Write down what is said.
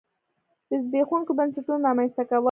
د زبېښونکو بنسټونو رامنځته کول.